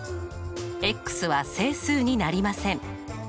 は整数になりません。